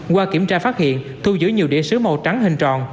qua kiểm tra phát hiện thu giữ nhiều đĩa sứ màu trắng hình tròn